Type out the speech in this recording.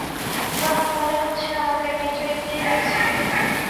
বাহ, মনে হচ্ছে আমাদের বিজয়ী পেয়ে গেছি।